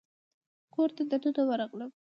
کور ته دننه ورغلم.